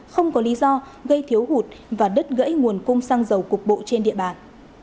không có lý do gây thiếu hụt và đứt gãy nguồn cung xăng dầu cục bộ trên địa bàn